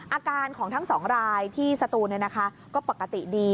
อาการของทั้งสองรายที่สตูนก็ปกติดี